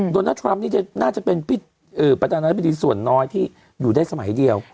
โดนัลดทรัมป์นี่น่าจะเป็นประธานาธิบดีส่วนน้อยที่อยู่ได้สมัยเดียว